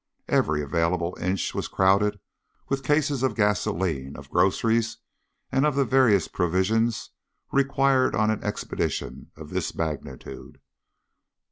Every available inch was crowded with cases of gasoline, of groceries, and of the varied provisions required on an expedition of this magnitude.